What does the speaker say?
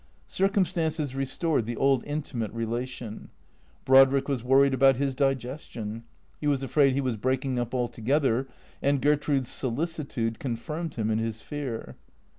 Circumstances restored the old intimate relation. Brod rick was worried about his digestion; he was afraid he was break ing up altogether, and Gertrude's solicitude confirmed him in his fear.